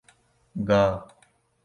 گا